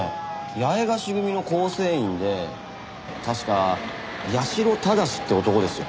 八重樫組の構成員で確か八代正って男ですよ。